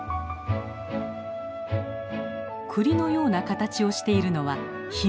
クリのような形をしているのはヒメグルミ。